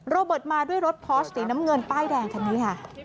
โรเบิร์ตมาด้วยรถพอร์สสีน้ำเงินป้ายแดงคันนี้ค่ะ